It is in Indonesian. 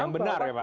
yang benar ya pak